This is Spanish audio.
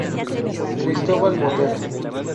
Cristobal Botero.